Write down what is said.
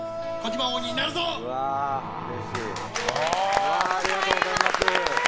ありがとうございます。